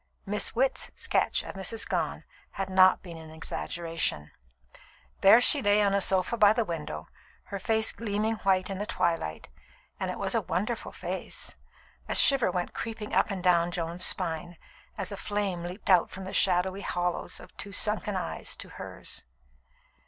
Miss Witt's sketch of Mrs. Gone had not been an exaggeration. There she lay on a sofa by the window, her face gleaming white in the twilight; and it was a wonderful face. A shiver went creeping up and down Joan's spine, as a flame leaped out from the shadowy hollows of two sunken eyes to hers.